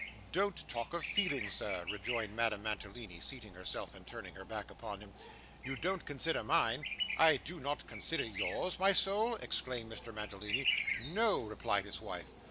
'Don't talk of feelings, sir,' rejoined Madame Mantalini, seating herself, and turning her back upon him. 'You don't consider mine.' 'I do not consider yours, my soul!' exclaimed Mr. Mantalini. 'No,' replied his wife.